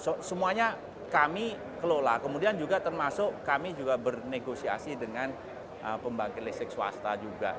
semuanya kami kelola kemudian juga termasuk kami juga bernegosiasi dengan pembangkit listrik swasta juga